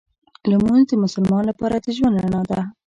لمونځ د مسلمان لپاره د ژوند رڼا ده